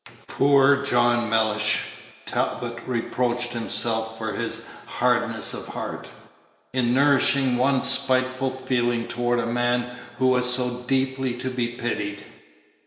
Poor John Mellish! Talbot reproached himself for his hardness of heart in nourishing one spiteful feeling toward a man who was so deeply to be pitied.